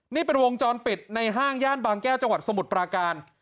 นี่เป็นวงจรปิดในห้างย่านบางแก้วจังหวัดสมุทรปราการ